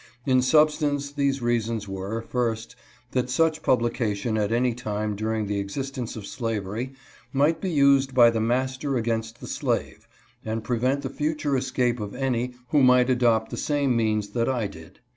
In substance these reasons were, first, that such publi cation at any time during the existence of slavery might be used by the master against the slave, and prevent the future escape of any who might adopt the same means that I did.